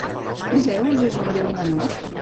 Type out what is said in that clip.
Zeus és un déu menor?